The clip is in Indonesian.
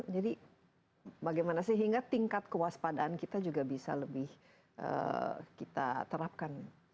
jadi bagaimana sih hingga tingkat kewaspadaan kita juga bisa lebih kita terapkan